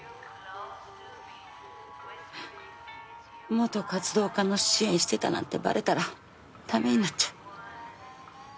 元活動家の支援してたなんてバレたら駄目になっちゃう。